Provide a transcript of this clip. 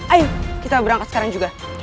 ayo kita berangkat sekarang juga